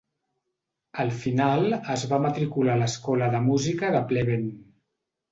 Al final es va matricular a l'escola de música de Pleven.